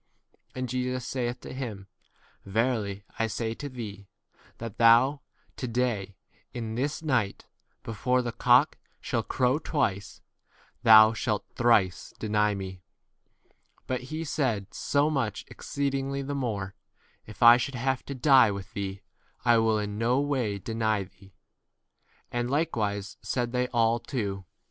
And Jesus saith to him, Verily I say to thee, that thou x to day, in this night, before the cock shall crow twice, thou 31 shalt thrice deny me. But he said so much exceedingly the more, If I should have to die with thee, I will in no way deny thee. And likewise said they all too. p T. R.